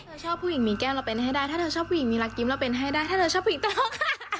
เธอชอบผู้หญิงมีแก้วเราเป็นให้ได้ถ้าเธอชอบผู้หญิงมีรักยิ้มเราเป็นให้ได้ถ้าเธอชอบปีกเตอร์ค่ะ